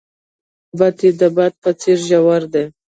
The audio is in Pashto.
هغې وویل محبت یې د باد په څېر ژور دی.